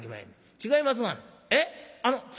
違いますがな」。